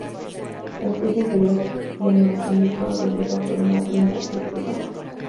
El piso interior tiene el mismo albedo bajo que el mar lunar circundante.